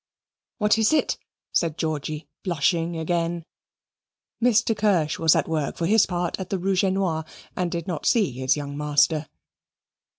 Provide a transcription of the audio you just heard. "What is it?" said Georgy, blushing again. Mr. Kirsch was at work for his part at the rouge et noir and did not see his young master.